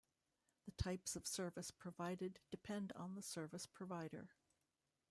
The types of service provided depend on the service provider.